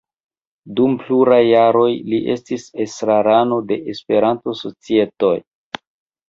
Dum pluraj jaroj li estis estrarano de Esperanto-societoj.